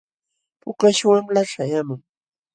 Pukaśh wamla śhayaamun.